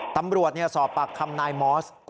ตำรวจสอบปากคำนายมอส